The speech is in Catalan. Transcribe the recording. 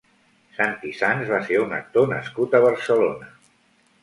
Santi Sans va ser un actor nascut a Barcelona.